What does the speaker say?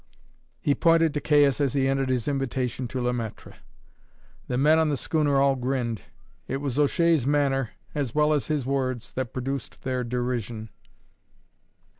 He pointed to Caius as he ended his invitation to Le Maître. The men on the schooner all grinned. It was O'Shea's manner, as well as his words, that produced their derision.